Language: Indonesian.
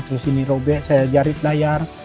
terus ini robek saya jarit layar